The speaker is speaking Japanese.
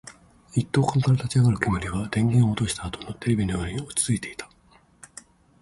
一斗缶から立ち上る煙は、電源を落としたあとのテレビのように落ち着いていた